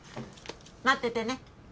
待っててね。